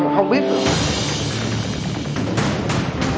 không biết được